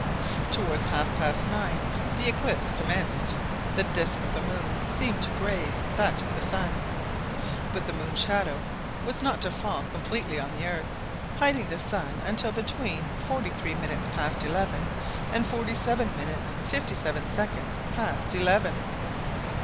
Towards half past nine the eclipse commenced The disc of the moon seemed to graze that of the sun. But the moon's shadow was not to fall completely on the earth, hiding the sun, until between forty three minutes past eleven and forty seven minutes fifty seven seconds past eleven.